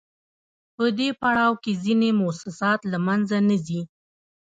په دې پړاو کې ځینې موسسات له منځه نه ځي